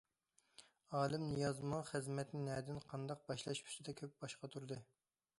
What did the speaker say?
ئالىم نىيازمۇ خىزمەتنى نەدىن، قانداق باشلاش ئۈستىدە كۆپ باش قاتۇردى.